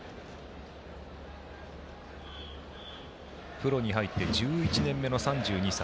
プロに入って１１年目の３２歳。